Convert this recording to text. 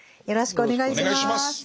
よろしくお願いします。